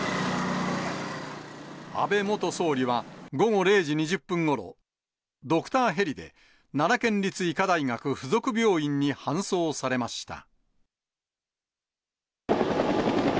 安倍元総理は午後０時２０分ごろ、ドクターヘリで、奈良県立医科大学附属病院に搬送されました。